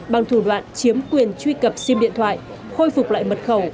bằng thủ đoạn chiếm quyền truy cập sim điện thoại khôi phục lại mật khẩu